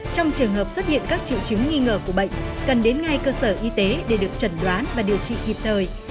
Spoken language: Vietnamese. trong trường hợp xuất hiện các triệu chứng nghi ngờ của bệnh cần đến ngay cơ sở y tế để được chẩn đoán và điều trị kịp thời